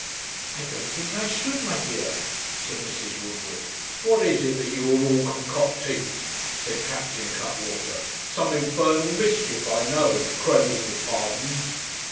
'I don't think I should, my dear,' said Mrs. Woodward. 'What is it you are all concocting?' said Captain Cuttwater; 'some infernal mischief, I know, craving your pardons.'